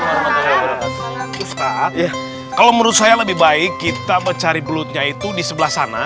ustadz kalau menurut saya lebih baik kita mencari belutnya itu di sebelah sana